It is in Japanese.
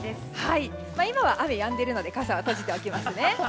今は雨がやんでいるので傘は閉じておきますね。